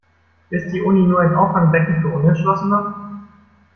Ist die Uni nur ein Auffangbecken für Unentschlossene?